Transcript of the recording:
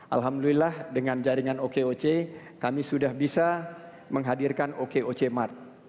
alhamdulillah dengan jaringan okoc kami sudah bisa menghadirkan okoc mart